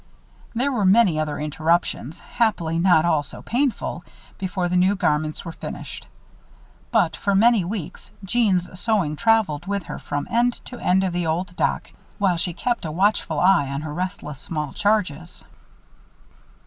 There were many other interruptions, happily not all so painful, before the new garments were finished; but, for many weeks, Jeanne's sewing traveled with her from end to end of the old dock; while she kept a watchful eye on her restless small charges.